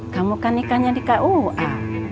kamu kan ikannya di kua